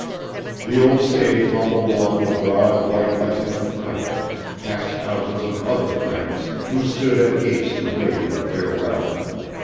The old stage rumbled along the broad white Lexington pike, past houses of other friends, who stood at gates to wave her farewell.